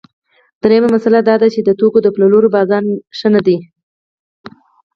درېیمه مسئله دا ده چې د توکو د پلورلو بازار ښه نه دی